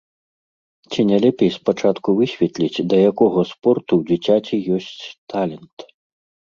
Ці не лепей спачатку высветліць, да якога спорту ў дзіцяці ёсць талент?